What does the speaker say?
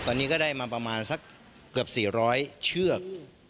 ตอนนี้ก็ได้มาประมาณสักเกือบ๔๐๐เชือก